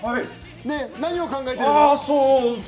何を考えてるの？